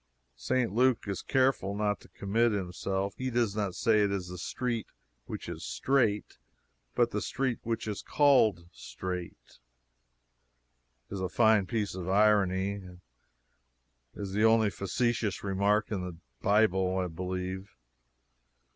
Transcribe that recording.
St. Luke is careful not to commit himself; he does not say it is the street which is straight, but the "street which is called Straight." It is a fine piece of irony; it is the only facetious remark in the Bible, I believe.